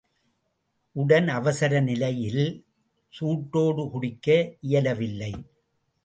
உடன் அவசர நிலையில் சூட்டோடு குடிக்க இயலவில்லை.